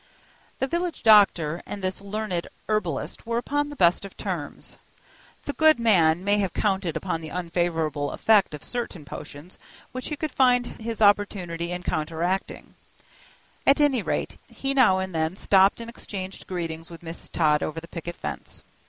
The village doctor and this learned herbalist were upon the best of terms. The good man may have counted upon the unfavorable effect of certain potions which he should find his opportunity in counteracting; at any rate, he now and then stopped and exchanged greetings with Mrs. Todd over the picket fence.